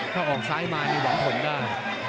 ถ้าออกซ้ายมานี่หวังผลได้